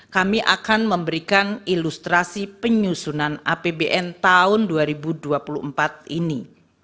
kami akan memberikan ilustrasi penyusunan apbn tahun dua ribu dua puluh empat ini